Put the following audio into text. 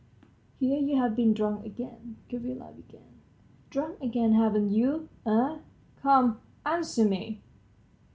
"Here you've been drunk again," Gavrila began, "drunk again, haven't you? Eh? Come, answer me!"